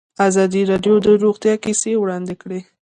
ازادي راډیو د روغتیا کیسې وړاندې کړي.